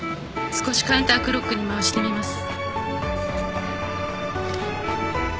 少しカウンタークロックに回してみます。